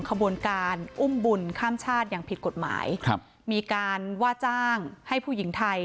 ขบวนการอุ้มบุญข้ามชาติอย่างผิดกฎหมายครับมีการว่าจ้างให้ผู้หญิงไทย